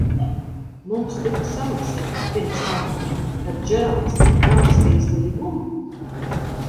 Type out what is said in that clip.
Mums tika samaksāts pirms tam, kad Džeralds tika parakstījis līgumu?